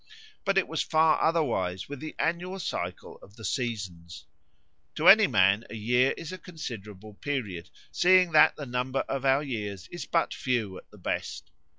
But it was far otherwise with the annual cycle of the seasons. To any man a year is a considerable period, seeing that the number of our years is but few at the best.